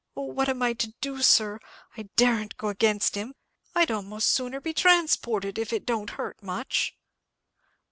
Oh, what am I to do, sir! I daren't go against him. I'd a'most sooner be transported, if it don't hurt much."